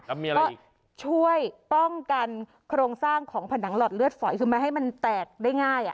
ก็ช่วยป้องกันโครงสร้างของผนังหลอดเลือดฝอยขึ้นมาให้มันแตกได้ง่าย